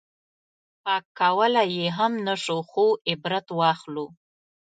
پاک کولی یې هم نه شو خو عبرت واخلو.